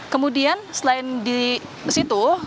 kemudian selain di situ